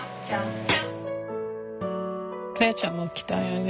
來愛ちゃんも来たよね